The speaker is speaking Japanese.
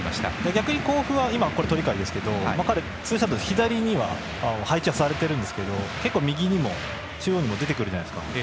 逆に甲府は鳥海がツーシャドー、左には配置されているんですけど結構、右にも中央にも出てくるじゃないですか。